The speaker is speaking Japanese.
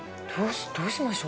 どうしましょう。